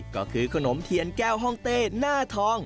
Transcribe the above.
ก็คือขนมเทียนแก้วห้องเต้หน้าทอง